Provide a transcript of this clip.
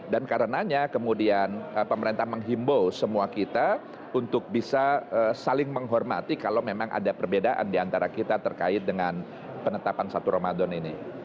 dan karenanya kemudian pemerintah menghimbau semua kita untuk bisa saling menghormati kalau memang ada perbedaan diantara kita terkait dengan penetapan satu ramadhan ini